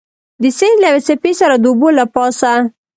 د سیند له یوې څپې سره د اوبو له پاسه.